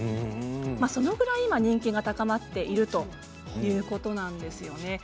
そのぐらい今、人気が高まっているということなんですよね。